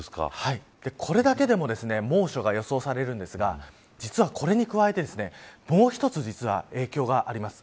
これだけでも猛暑が予想されるんですが実はこれに加えて、もう一つ影響があります。